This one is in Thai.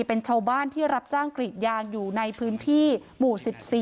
เป็นชาวบ้านที่รับจ้างกรีดยางอยู่ในพื้นที่หมู่๑๔